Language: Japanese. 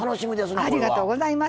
ありがとうございます。